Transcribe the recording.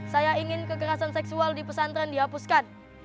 saya ingin kekerasan seksual di pesantren dihapuskan